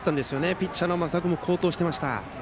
ピッチャーの升田君も好投してました。